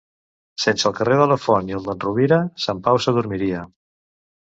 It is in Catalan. Sense el carrer de la Font i el d'en Rovira, Sant Pau s'adormiria.